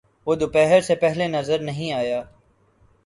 وہ دوپہر سے پہلے نظر نہیں آیا۔